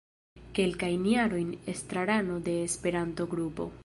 Kelkajn jarojn estrarano de Esperanto-Grupo.